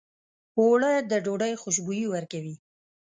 اوړه د ډوډۍ خوشبويي ورکوي